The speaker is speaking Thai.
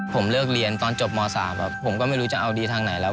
ผมเลิกเรียนตอนจบม๓ครับผมก็ไม่รู้จะเอาดีทางไหนแล้ว